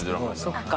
そっか。